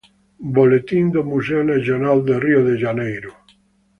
Boletim do Museu Nacional de Rio de Janeiro.